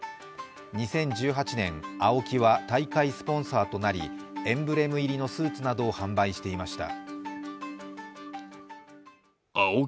２０１８年、ＡＯＫＩは大会スポンサーとなり、エンブレム入りのスーツなどを販売していました。